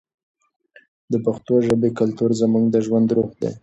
د پښتو ژبې کلتور زموږ د ژوند روح دی.